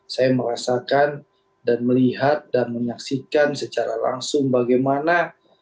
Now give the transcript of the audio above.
saya merasakan dan melihat dan menyaksikan secara langsung bagaimana